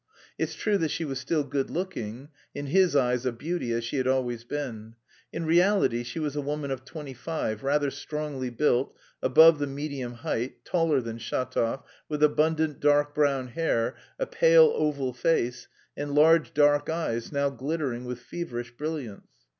It's true that she was still good looking in his eyes a beauty, as she had always been. In reality she was a woman of twenty five, rather strongly built, above the medium height (taller than Shatov), with abundant dark brown hair, a pale oval face, and large dark eyes now glittering with feverish brilliance.